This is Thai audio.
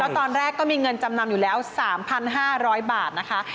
ตอนแรกก็มีเงินจำนำอยู่แล้ว๓๕๐๐บาทนะคะ